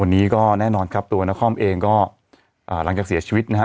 วันนี้ก็แน่นอนครับตัวนครเองก็หลังจากเสียชีวิตนะฮะ